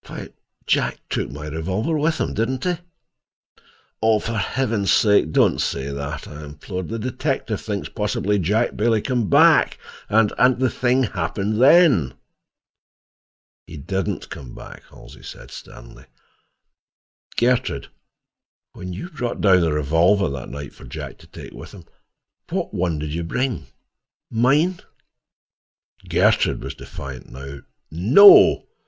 "Why, Jack took my revolver with him, didn't he?" "Oh, for Heaven's sake don't say that," I implored. "The detective thinks possibly Jack Bailey came back, and—and the thing happened then." "He didn't come back," Halsey said sternly. "Gertrude, when you brought down a revolver that night for Jack to take with him, what one did you bring? Mine?" Gertrude was defiant now. "No.